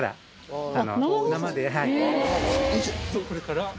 これから。